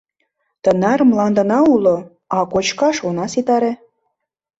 Тынар мландына уло, а кочкаш она ситаре.